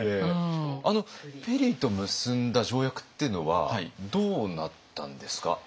ペリーと結んだ条約っていうのはどうなったんですか？